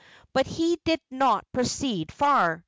But he did not proceed far.